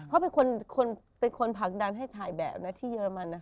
เขาเป็นคนผลักดันให้ถ่ายแบบนะที่เยอรมัน